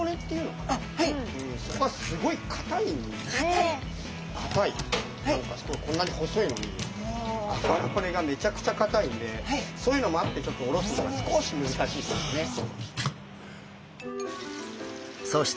何かすごいこんなに細いのにあばら骨がめちゃくちゃ硬いんでそういうのもあってちょっとおろすのが少し難しいですね。